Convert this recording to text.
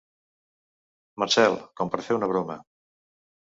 Marcel, com per fer una broma.